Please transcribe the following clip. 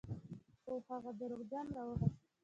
خو هغه دروغجن راوخوت.